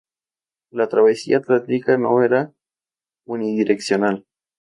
La travesía atlántica no era unidireccional.